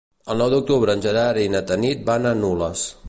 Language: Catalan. El nou d'octubre en Gerard i na Tanit van a Nules.